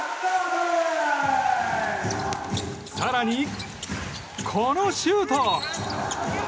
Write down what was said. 更に、このシュート！